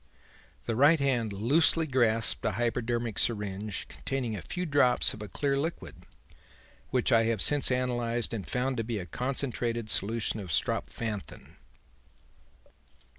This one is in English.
The right hand loosely grasped a hypodermic syringe containing a few drops of clear liquid which I have since analysed and found to be a concentrated solution of strophanthin.